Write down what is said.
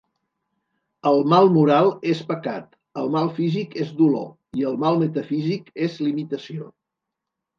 El mal moral és pecat, el mal físic és dolor, i el mal metafísic és limitació.